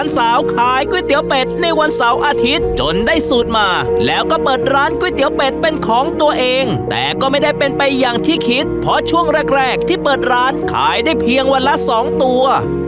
สูตรมาแล้วก็เปิดร้านก๋วยเตี๋ยวเป็ดเป็นของตัวเองแต่ก็ไม่ได้เป็นไปอย่างที่คิดเพราะช่วงแรกที่เปิดร้านขายได้เพียงวันละ๒ตัว